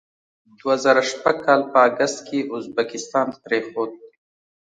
دوه زره شپږ کال په اګست کې یې ازبکستان پرېښود.